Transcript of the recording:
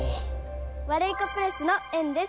ワルイコプレスのえんです。